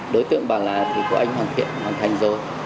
đối tượng bảo là thì của anh hoàn thiện hoàn thành rồi